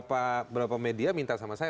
beberapa media minta sama saya